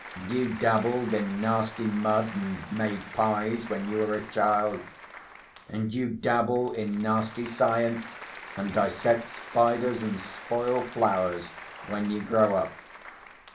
You dabbled in nasty mud, and made pies, when you were a child; and you dabble in nasty science, and dissect spiders, and spoil flowers, when you grow up.